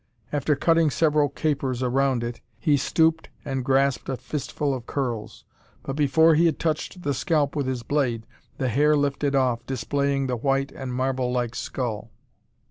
After cutting several capers around it, he stooped and grasped a fistful of curls; but, before he had touched the scalp with his blade, the hair lifted off, displaying the white and marble like skull!